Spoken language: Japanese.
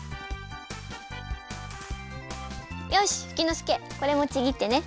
よしフキノスケこれもちぎってね。